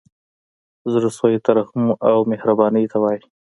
زړه سوی ترحم او مهربانۍ ته وايي.